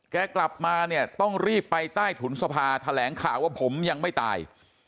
กลับมาเนี่ยต้องรีบไปใต้ถุนสภาแถลงข่าวว่าผมยังไม่ตาย